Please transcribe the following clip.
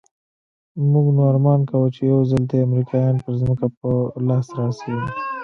موږ نو ارمان کاوه چې يو ځل دې امريکايان پر ځمکه په لاس راسي.